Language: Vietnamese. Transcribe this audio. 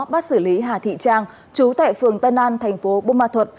bắt xử lý hà thị trang chú tại phường tân an thành phố bô ma thuật